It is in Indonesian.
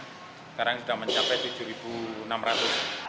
sekarang sudah mencapai rp tujuh enam ratus